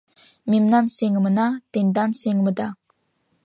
Мемнан сеҥымына — тендан сеҥымыда.